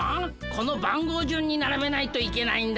この番号じゅんにならべないといけないんだよ。